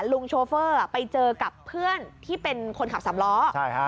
ลุงโชเฟอร์ไปเจอกับเพื่อนที่เป็นคนขับสำร้อใช่ค่ะ